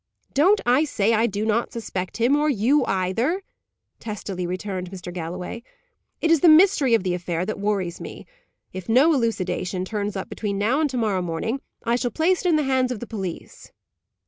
"Don't I say I do not suspect him, or you either?" testily returned Mr. Galloway. "It is the mystery of the affair that worries me. If no elucidation turns up between now and to morrow morning, I shall place it in the hands of the police."